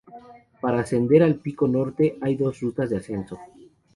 Para ascender al pico Norte hay dos rutas de ascenso.